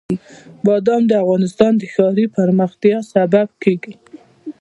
بادام د افغانستان د ښاري پراختیا سبب کېږي.